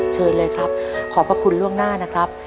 เชิญเลยครับขอบพระคุณล่วงหน้านะครับ